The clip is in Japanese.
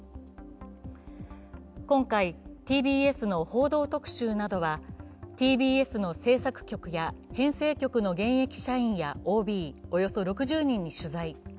今回、ＴＢＳの「報道特集」などは、ＴＢＳの制作局や編成局の現役社員やＯＢ、およそ６０人に取材。